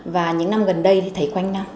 và những năm gần đây thì thấy quanh năm